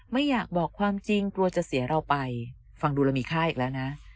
ไม่อยากบอกความจริงกลัวจะเสียเราไปฟังดูเรามีค่าอีกแล้วนะ